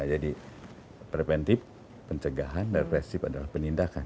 jadi preventif pencegahan dan represif adalah penindakan